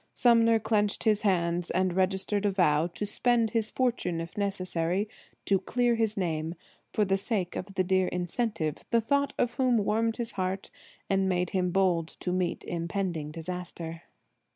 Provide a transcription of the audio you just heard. Sumner clenched his hands and registered a vow to spend his fortune, if necessary, to clear his name, for the sake of the dear incentive, the thought of whom warmed his heart and made him bold to meet impending disaster.